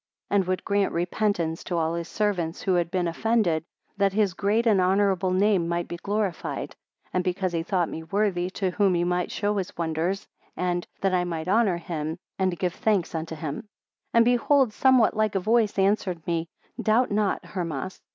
4 And would grant repentance to all his servants who had been offended, that his great and honourable name might be glorified, and because he thought me worthy to whom he might show his wonders, and, that I might honour him, and give thanks unto him. 5 And behold somewhat like a voice answered me; Doubt not, Hermas.